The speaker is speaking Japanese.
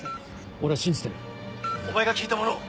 俺は信じてるお前が聞いたものを。